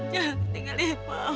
ya tinggal ibu